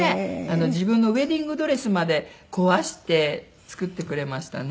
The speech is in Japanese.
自分のウェディングドレスまで壊して作ってくれましたね。